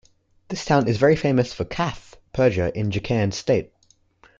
This town is very famous for "Chath" puja in jharkhand state.